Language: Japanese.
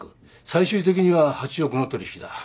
最終的には８億の取引だ。